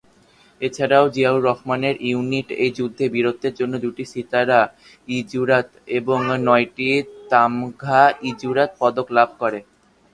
এছাড়াও জিয়াউর রহমানের ইউনিট এই যুদ্ধে বীরত্বের জন্য দুটি সিতারা-ই-জুরাত এবং নয়টি তামঘা-ই-জুরাত পদক লাভ করে।